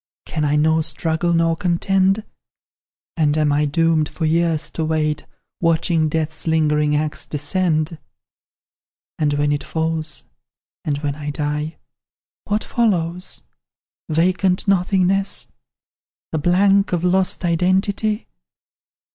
Can I nor struggle, nor contend? And am I doomed for years to wait, Watching death's lingering axe descend? "And when it falls, and when I die, What follows? Vacant nothingness? The blank of lost identity?